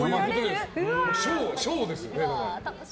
ショーですよね。